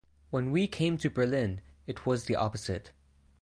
When we came to Berlin it was the opposite.